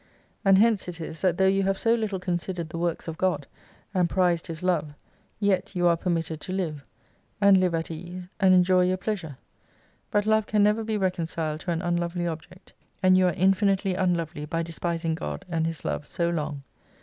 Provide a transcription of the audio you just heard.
And hence it is that though you have so little considered the Works of God, and prized His Love, yet you are permitted to live : and live at ease, and enjoy your pleasure. But Love can never be reconciled to an unlovely object, and you are infinitely unlovely by despising God and His Love so long.